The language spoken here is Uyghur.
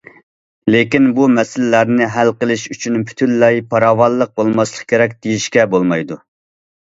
لېكىن بۇ مەسىلىلەرنى ھەل قىلىش ئۈچۈن پۈتۈنلەي پاراۋانلىق بولماسلىق كېرەك، دېيىشكە بولمايدۇ.